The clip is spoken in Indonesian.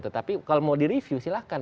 tetapi kalau mau direview silahkan